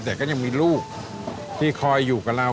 แต่ก็ยังมีลูกที่คอยอยู่กับเรา